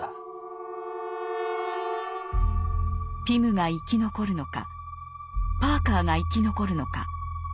ピムが生き残るのかパーカーが生き残るのか。